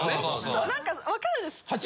そうなんか分かるんです。